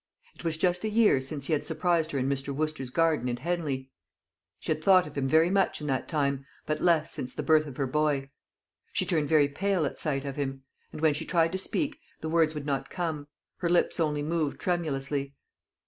It was just a year since he had surprised her in Mr. Wooster's garden at Henley. She had thought of him very much in that time, but less since the birth of her boy. She turned very pale at sight of him; and when she tried to speak, the words would not come: her lips only moved tremulously.